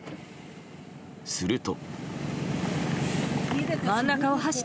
すると。